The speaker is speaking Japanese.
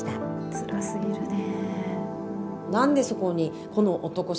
つらすぎるね。